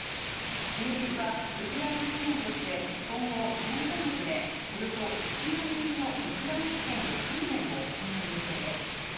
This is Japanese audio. イギリスはウクライナ支援として今後、４か月間でおよそ１万人のウクライナ兵の訓練を行う予定です。